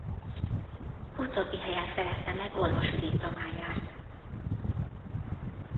Utóbbi helyen szerezte meg orvosi diplomáját.